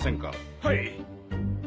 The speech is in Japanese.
はい。